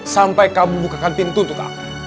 sampai kamu bukakan pintu untuk aku